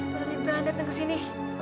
sebenernya berani datang ke sini